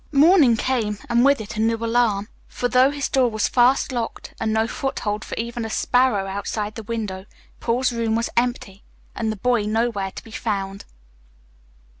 Morning came, and with it a new alarm; for, though his door was fast locked and no foothold for even a sparrow outside the window, Paul's room was empty, and the boy nowhere to be found.